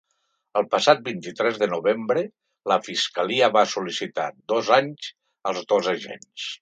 El passat vint-i-tres de novembre, la fiscalia va sol·licitar dos anys als dos agents.